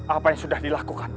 apa yang sudah dilakukan